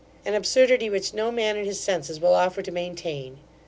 An absurdity which no man in his senses will offer to maintain.